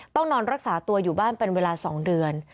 ต้องนอนรักษาตัวอยู่บ้านเป็นเวลา๒เดือน